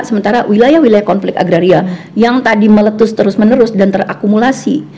sementara wilayah wilayah konflik agraria yang tadi meletus terus menerus dan terakumulasi